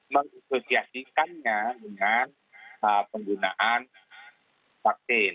mengisosiasikannya dengan penggunaan vaksin